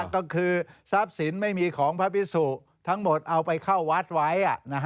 ก็คือทรัพย์สินไม่มีของพระพิสุทั้งหมดเอาไปเข้าวัดไว้